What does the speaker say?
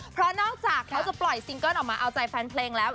เพราะนอกจากเขาจะปล่อยซิงเกิ้ลออกมาเอาใจแฟนเพลงแล้ว